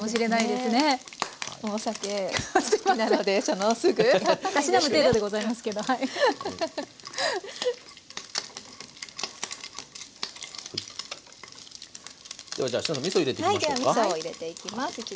ではじゃあみそ入れていきましょうか。